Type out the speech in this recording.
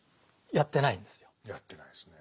やってないですねぇ。